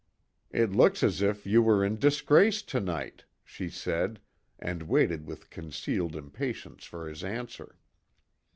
"It looks as if you were in disgrace to night," she said, and waited with concealed impatience for his answer.